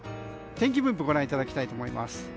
天気分布ご覧いただきたいと思います。